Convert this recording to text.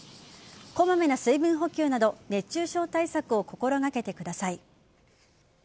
こまめな水分補給など熱中症対策を心がけてください。